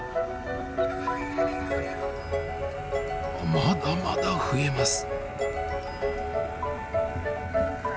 まだまだ増えます。